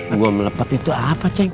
dua melepet itu apa ceng